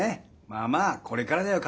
まあまあこれからだよ